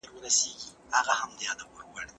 له زړه ولیکئ، د خلکو زړه ته ورسیږي.